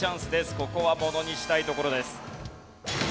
ここはものにしたいところです。